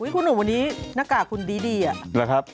คุณหนูวันนี้หนักกากคุณดีละครับ